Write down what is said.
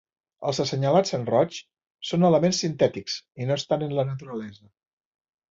Els assenyalats en roig són elements sintètics i no estan en la naturalesa.